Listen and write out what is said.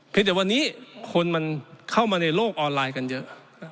แต่วันนี้คนมันเข้ามาในโลกออนไลน์กันเยอะ